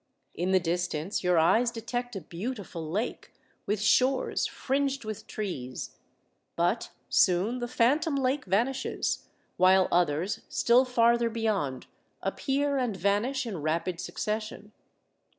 In the distance your eyes detect a beautiful lake with shores fringed with trees, but soon the phantom lake vanishes, while others, still farther beyond, appear and vanish in rapid succession.